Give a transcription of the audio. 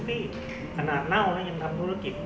พี่อาจารย์เน่าแล้วยังทำธุรกิจ